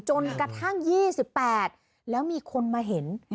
จนกระทั่ง๒๘แล้วมีคนมาเห็น